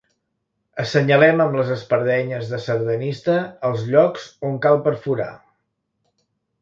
Assenyalem amb les espardenyes de sardanista els llocs on cal perforar.